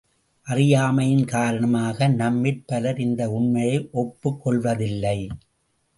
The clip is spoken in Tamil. அறியாமையின் காரணமாக நம்மிற் பலர் இந்த உண்மையை ஒப்புக்கொள்வதில்லை.